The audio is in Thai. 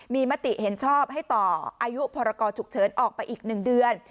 มีมติเห็นชอบให้ต่ออายุพรกรฉุกเฉินออกไปอีก๑เดือน